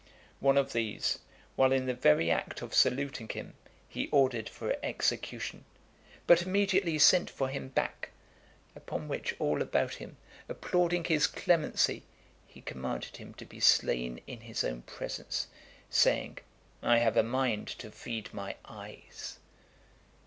One of these, while in the very act of saluting him, he ordered for execution, but immediately sent for him back; upon which all about him applauding his clemency, he commanded him to be slain in his own presence, saying, "I have a mind to feed my eyes."